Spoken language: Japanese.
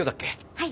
はい。